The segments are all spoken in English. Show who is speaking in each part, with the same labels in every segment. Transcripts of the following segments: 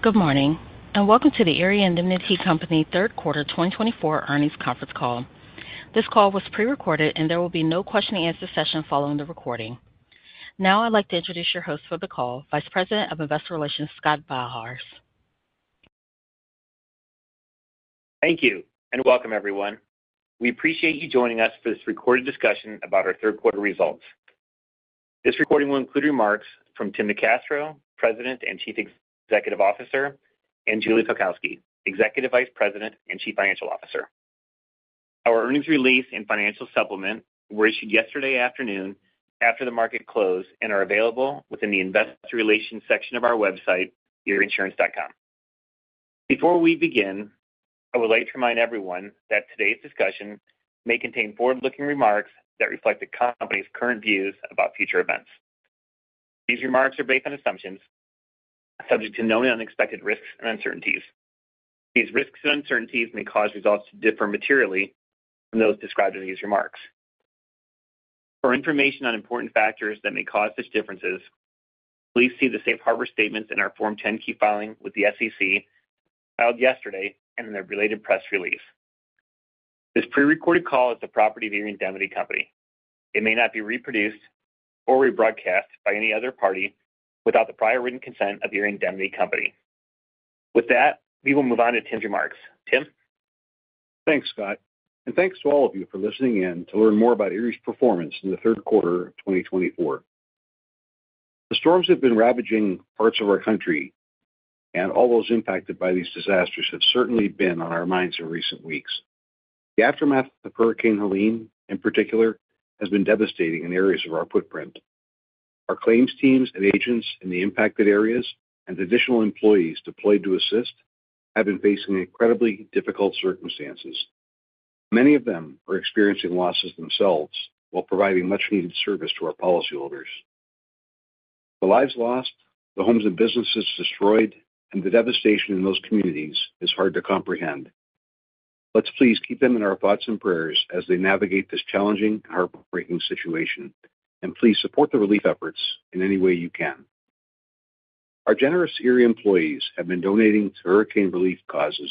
Speaker 1: Good morning, and welcome to the Erie Indemnity Company third quarter 2024 earnings conference call. This call was pre-recorded, and there will be no question-and-answer session following the recording. Now, I'd like to introduce your host for the call, Vice President of Investor Relations, Scott Beilharz.
Speaker 2: Thank you and welcome, everyone. We appreciate you joining us for this recorded discussion about our third quarter results. This recording will include remarks from Tim NeCastro, President and Chief Executive Officer, and Julie Pelkowski, Executive Vice President and Chief Financial Officer. Our earnings release and financial supplement were issued yesterday afternoon after the market closed and are available within the Investor Relations section of our website, erieinsurance.com. Before we begin, I would like to remind everyone that today's discussion may contain forward-looking remarks that reflect the company's current views about future events. These remarks are based on assumptions subject to known and unexpected risks and uncertainties. These risks and uncertainties may cause results to differ materially from those described in these remarks. For information on important factors that may cause such differences, please see the Safe Harbor statements in our Form 10-K filing with the SEC filed yesterday and in the related press release. This pre-recorded call is the property of Erie Indemnity Company. It may not be reproduced or rebroadcast by any other party without the prior written consent of Erie Indemnity Company. With that, we will move on to Tim's remarks. Tim?
Speaker 3: Thanks, Scott, and thanks to all of you for listening in to learn more about Erie's performance in the third quarter of 2024. The storms have been ravaging parts of our country, and all those impacted by these disasters have certainly been on our minds in recent weeks. The aftermath of Hurricane Helene, in particular, has been devastating in areas of our footprint. Our claims teams and agents in the impacted areas and additional employees deployed to assist have been facing incredibly difficult circumstances. Many of them are experiencing losses themselves while providing much-needed service to our policyholders. The lives lost, the homes and businesses destroyed, and the devastation in those communities is hard to comprehend. Let's please keep them in our thoughts and prayers as they navigate this challenging and heartbreaking situation, and please support the relief efforts in any way you can. Our generous Erie employees have been donating to hurricane relief causes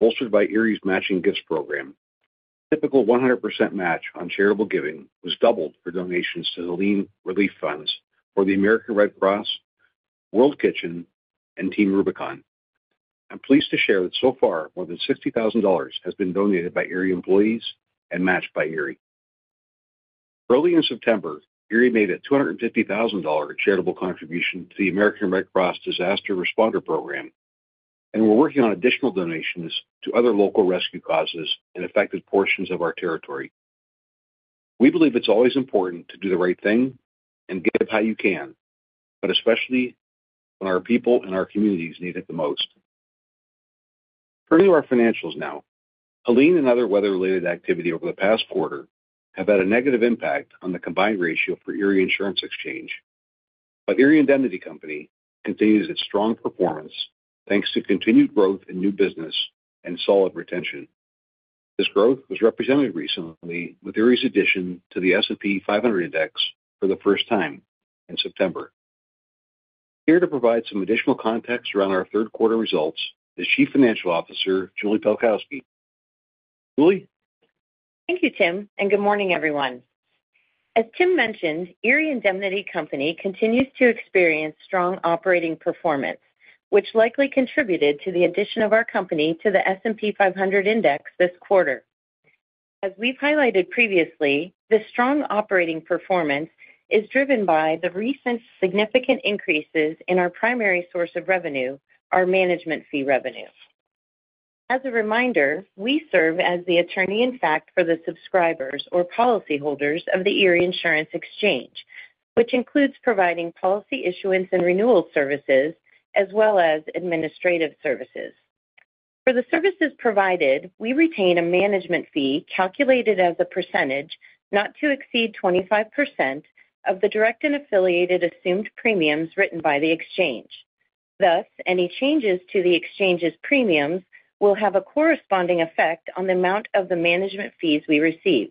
Speaker 3: bolstered by Erie's Matching Gifts Program. The typical 100% match on charitable giving was doubled for donations to Helene relief funds for the American Red Cross, World Kitchen, and Team Rubicon. I'm pleased to share that so far, more than $60,000 has been donated by Erie employees and matched by Erie. Early in September, Erie made a $250,000 charitable contribution to the American Red Cross Disaster Responder Program, and we're working on additional donations to other local rescue causes in affected portions of our territory. We believe it's always important to do the right thing and give how you can, but especially when our people and our communities need it the most. Turning to our financials now, Helene and other weather-related activity over the past quarter have had a negative impact on the combined ratio for Erie Insurance Exchange. But Erie Indemnity Company continues its strong performance thanks to continued growth in new business and solid retention. This growth was represented recently with Erie's addition to the S&P 500 Index for the first time in September. Here to provide some additional context around our third quarter results is Chief Financial Officer Julie Pelkowski. Julie?
Speaker 4: Thank you, Tim, and good morning, everyone. As Tim mentioned, Erie Indemnity Company continues to experience strong operating performance, which likely contributed to the addition of our company to the S&P 500 Index this quarter. As we've highlighted previously, the strong operating performance is driven by the recent significant increases in our primary source of revenue, our management fee revenue. As a reminder, we serve as the attorney-in-fact for the subscribers or policyholders of the Erie Insurance Exchange, which includes providing policy issuance and renewal services as well as administrative services. For the services provided, we retain a management fee calculated as a percentage not to exceed 25% of the direct and affiliated assumed premiums written by the Exchange. Thus, any changes to the Exchange's premiums will have a corresponding effect on the amount of the management fees we receive.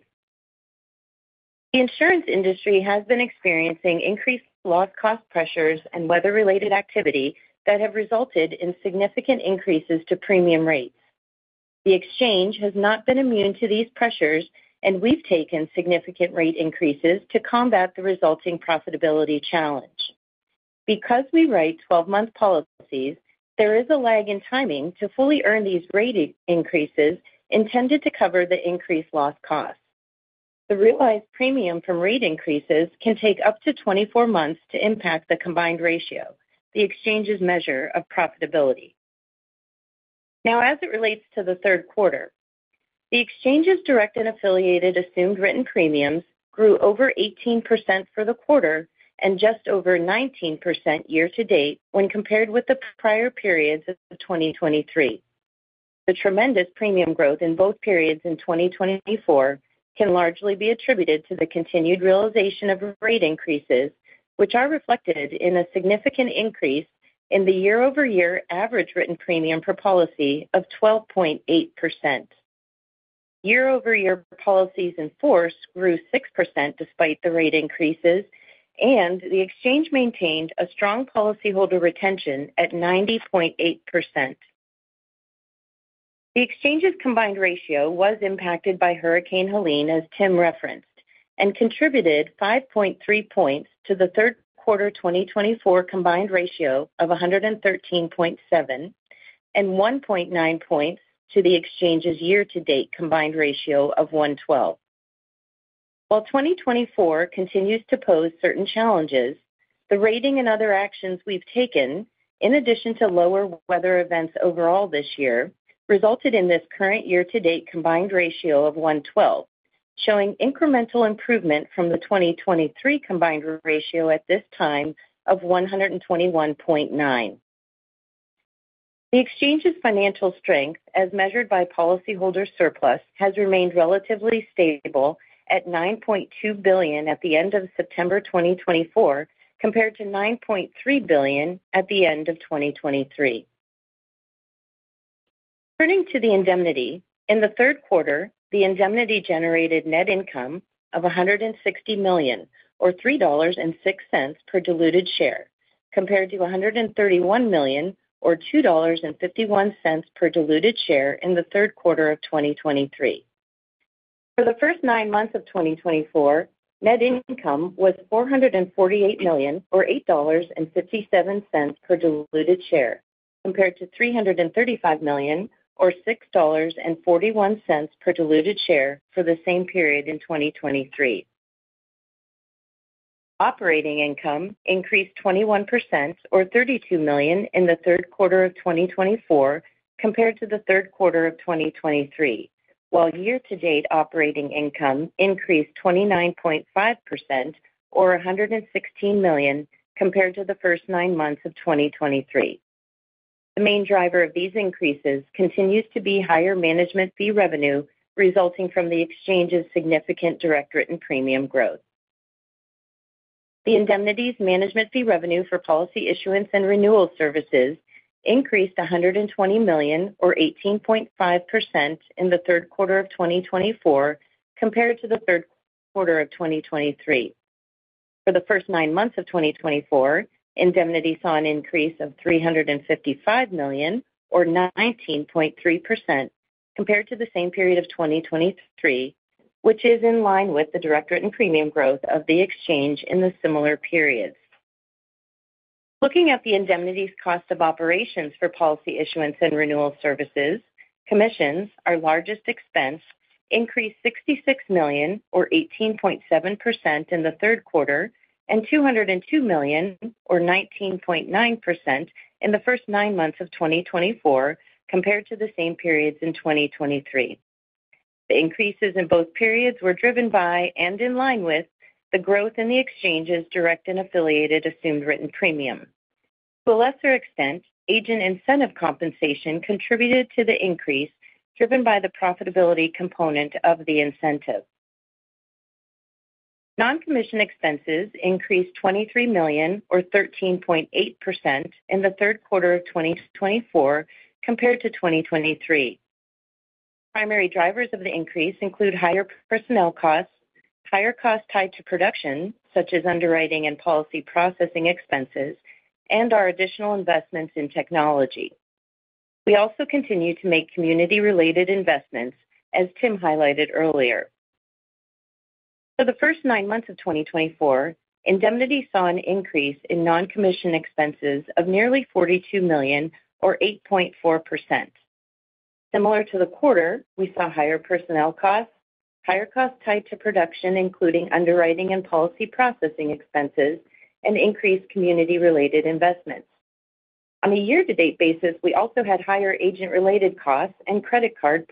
Speaker 4: The insurance industry has been experiencing increased loss cost pressures and weather-related activity that have resulted in significant increases to premium rates. The Exchange has not been immune to these pressures, and we've taken significant rate increases to combat the resulting profitability challenge. Because we write 12-month policies, there is a lag in timing to fully earn these rate increases intended to cover the increased loss costs. The realized premium from rate increases can take up to 24 months to impact the combined ratio, the Exchange's measure of profitability. Now, as it relates to the third quarter, the Exchange's direct and affiliated assumed written premiums grew over 18% for the quarter and just over 19% year-to-date when compared with the prior periods of 2023. The tremendous premium growth in both periods in 2024 can largely be attributed to the continued realization of rate increases, which are reflected in a significant increase in the year-over-year average written premium per policy of 12.8%. Year-over-year policies in force grew 6% despite the rate increases, and the Exchange maintained a strong policyholder retention at 90.8%. The Exchange's combined ratio was impacted by Hurricane Helene, as Tim referenced, and contributed 5.3 points to the third quarter 2024 combined ratio of 113.7 and 1.9 points to the Exchange's year-to-date combined ratio of 112. While 2024 continues to pose certain challenges, the rating and other actions we've taken, in addition to lower weather events overall this year, resulted in this current year-to-date combined ratio of 112, showing incremental improvement from the 2023 combined ratio at this time of 121.9. The Exchange's financial strength, as measured by policyholder surplus, has remained relatively stable at $9.2 billion at the end of September 2024 compared to $9.3 billion at the end of 2023. Turning to the Indemnity, in the third quarter, the Indemnity generated net income of $160 million, or $3.06 per diluted share, compared to $131 million, or $2.51 per diluted share in the third quarter of 2023. For the first nine months of 2024, net income was $448 million, or $8.57 per diluted share, compared to $335 million, or $6.41 per diluted share for the same period in 2023. Operating income increased 21%, or $32 million in the third quarter of 2024 compared to the third quarter of 2023, while year-to-date operating income increased 29.5%, or $116 million compared to the first nine months of 2023. The main driver of these increases continues to be higher management fee revenue resulting from the Exchange's significant direct written premium growth. The Indemnity's management fee revenue for policy issuance and renewal services increased $120 million, or 18.5%, in the third quarter of 2024 compared to the third quarter of 2023. For the first nine months of 2024, Indemnity saw an increase of $355 million, or 19.3%, compared to the same period of 2023, which is in line with the direct written premium growth of the Exchange in the similar periods. Looking at the Indemnity's cost of operations for policy issuance and renewal services, commissions, our largest expense, increased $66 million, or 18.7%, in the third quarter and $202 million, or 19.9%, in the first nine months of 2024 compared to the same periods in 2023. The increases in both periods were driven by and in line with the growth in the Exchange's direct and affiliated assumed written premium. To a lesser extent, agent incentive compensation contributed to the increase driven by the profitability component of the incentive. Non-commission expenses increased $23 million, or 13.8%, in the third quarter of 2024 compared to 2023. Primary drivers of the increase include higher personnel costs, higher costs tied to production, such as underwriting and policy processing expenses, and our additional investments in technology. We also continue to make community-related investments, as Tim highlighted earlier. For the first nine months of 2024, Indemnity saw an increase in non-commission expenses of nearly $42 million, or 8.4%. Similar to the quarter, we saw higher personnel costs, higher costs tied to production, including underwriting and policy processing expenses, and increased community-related investments. On a year-to-date basis, we also had higher agent-related costs and credit card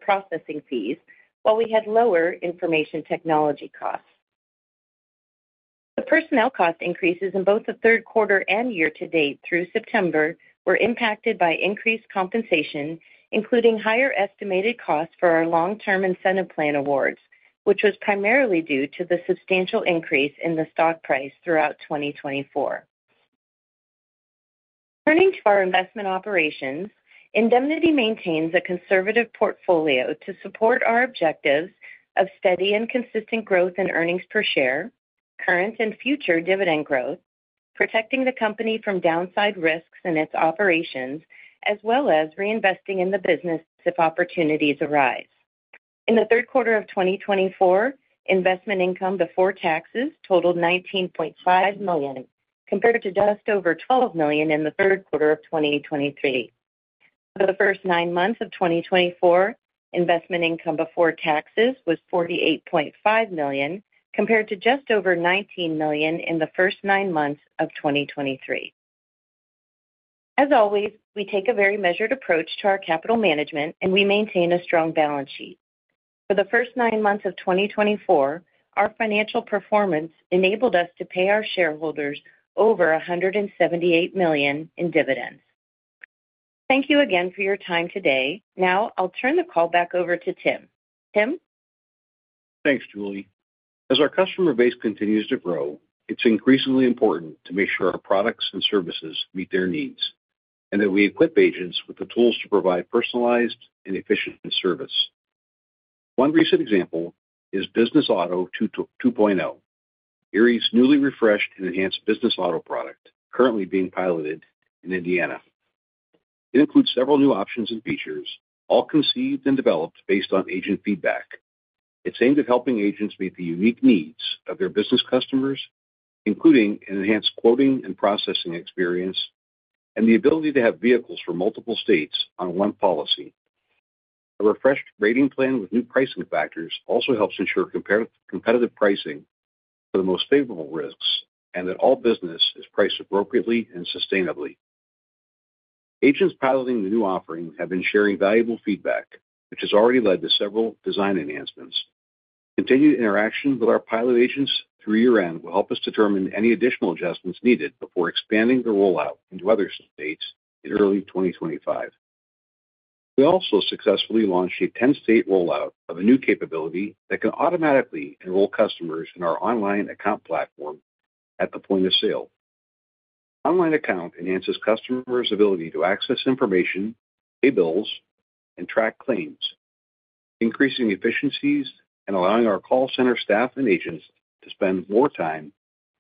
Speaker 4: processing fees, while we had lower information technology costs. The personnel cost increases in both the third quarter and year-to-date through September were impacted by increased compensation, including higher estimated costs for our long-term incentive plan awards, which was primarily due to the substantial increase in the stock price throughout 2024. Turning to our investment operations, Indemnity maintains a conservative portfolio to support our objectives of steady and consistent growth in earnings per share, current and future dividend growth, protecting the company from downside risks in its operations, as well as reinvesting in the business if opportunities arise. In the third quarter of 2024, investment income before taxes totaled $19.5 million compared to just over $12 million in the third quarter of 2023. For the first nine months of 2024, investment income before taxes was $48.5 million compared to just over $19 million in the first nine months of 2023. As always, we take a very measured approach to our capital management, and we maintain a strong balance sheet. For the first nine months of 2024, our financial performance enabled us to pay our shareholders over $178 million in dividends. Thank you again for your time today. Now, I'll turn the call back over to Tim. Tim?
Speaker 3: Thanks, Julie. As our customer base continues to grow, it's increasingly important to make sure our products and services meet their needs and that we equip agents with the tools to provide personalized and efficient service. One recent example is Business Auto 2.0, Erie's newly refreshed and enhanced Business Auto product currently being piloted in Indiana. It includes several new options and features, all conceived and developed based on agent feedback. It's aimed at helping agents meet the unique needs of their business customers, including an enhanced quoting and processing experience and the ability to have vehicles for multiple states on one policy. A refreshed rating plan with new pricing factors also helps ensure competitive pricing for the most favorable risks and that all business is priced appropriately and sustainably. Agents piloting the new offering have been sharing valuable feedback, which has already led to several design enhancements. Continued interaction with our pilot agents through year-end will help us determine any additional adjustments needed before expanding the rollout into other states in early 2025. We also successfully launched a 10-state rollout of a new capability that can automatically enroll customers in our online account platform at the point of sale. Online account enhances customers' ability to access information, pay bills, and track claims, increasing efficiencies and allowing our call center staff and agents to spend more time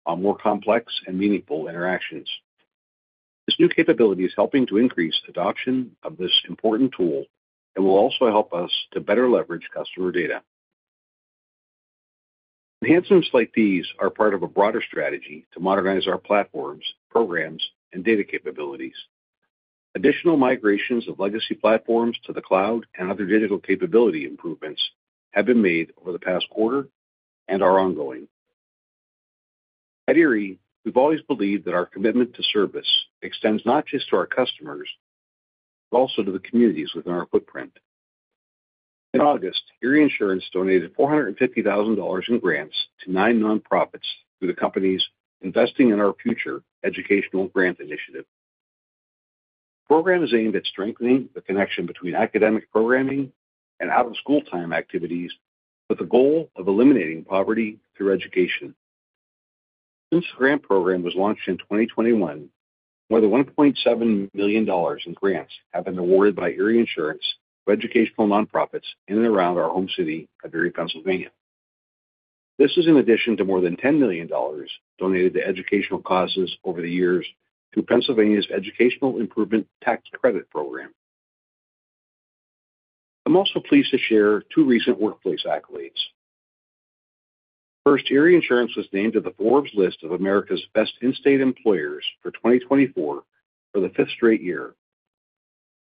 Speaker 3: on more complex and meaningful interactions. This new capability is helping to increase adoption of this important tool and will also help us to better leverage customer data. Enhancements like these are part of a broader strategy to modernize our platforms, programs, and data capabilities. Additional migrations of legacy platforms to the cloud and other digital capability improvements have been made over the past quarter and are ongoing. At Erie, we've always believed that our commitment to service extends not just to our customers, but also to the communities within our footprint. In August, Erie Insurance donated $450,000 in grants to nine nonprofits through the company's Investing in Our Future educational grant initiative. The program is aimed at strengthening the connection between academic programming and out-of-school time activities with the goal of eliminating poverty through education. Since the grant program was launched in 2021, more than $1.7 million in grants have been awarded by Erie Insurance to educational nonprofits in and around our home city of Erie, Pennsylvania. This is in addition to more than $10 million donated to educational causes over the years through Pennsylvania's Educational Improvement Tax Credit Program. I'm also pleased to share two recent workplace accolades. First, Erie Insurance was named to the Forbes list of America's Best-In-State Employers for 2024 for the fifth straight year.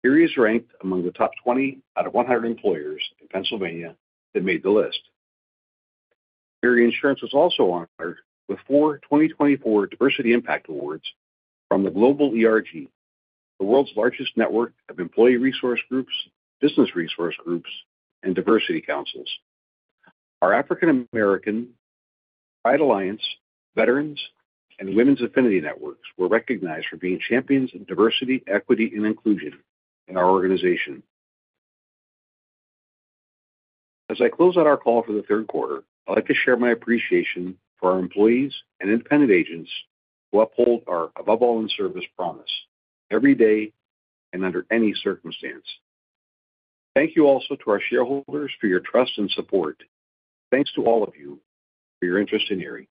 Speaker 3: Erie is ranked among the top 20 out of 100 employers in Pennsylvania that made the list. Erie Insurance was also honored with four 2024 Diversity Impact Awards from the Global ERG, the world's largest network of employee resource groups, business resource groups, and diversity councils. Our African-American, Pride Alliance, Veterans, and Women's Affinity Networks were recognized for being champions of diversity, equity, and inclusion in our organization. As I close out our call for the third quarter, I'd like to share my appreciation for our employees and independent agents who uphold our Above all in Service promise, every day and under any circumstance. Thank you also to our shareholders for your trust and support. Thanks to all of you for your interest in Erie.